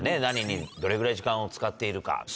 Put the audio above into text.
何にどれぐらい時間を使っているか。